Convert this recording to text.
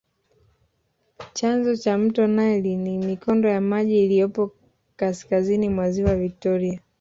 Chanzo cha mto nile ni mikondo ya maji iliyopo kaskazini mwa ziwa Victoria